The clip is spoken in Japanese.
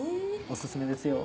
おすすめですよ。